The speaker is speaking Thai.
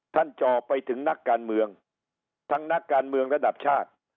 จ่อไปถึงนักการเมืองทั้งนักการเมืองระดับชาติ